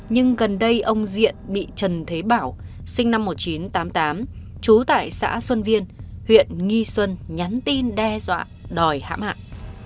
nhưng gần đây ông diện bị trần thế bảo sinh năm một nghìn chín trăm tám mươi tám trú tại xã xuân viên huyện nghi xuân nhắn tin đe dọa đòi